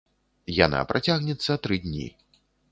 Яна працягнецца тры дні.